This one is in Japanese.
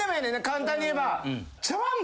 簡単に言えば。